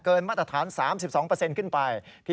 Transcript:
เกินมาตรฐาน๓๒ขึ้นไป